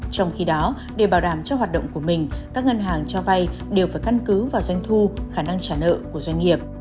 trong khi đó để bảo đảm cho hoạt động của mình các ngân hàng cho vay đều phải căn cứ vào doanh thu khả năng trả nợ của doanh nghiệp